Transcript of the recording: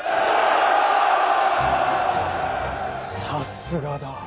さすがだ。